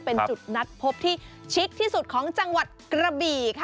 เป็นจุดนัดพบที่ชิคที่สุดของจังหวัดกระบี่ค่ะ